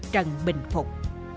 trần bình phục